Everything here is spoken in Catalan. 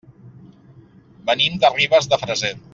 Venim de Ribes de Freser.